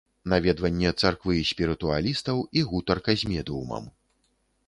Наведванне царквы спірытуалістаў і гутарка з медыумам.